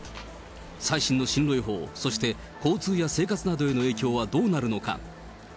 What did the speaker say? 最新の進路予報、そして交通や生活などへの影響はどうなるのか。